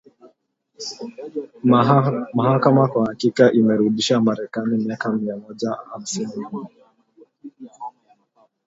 Mahakama kwa hakika imeirudisha Marekani miaka mia moja hamsini nyuma